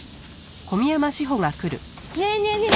ねえねえねえ